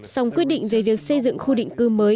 song quyết định về việc xây dựng khu định cư mới